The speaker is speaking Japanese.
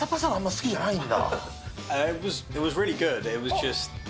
好きじゃないんだ。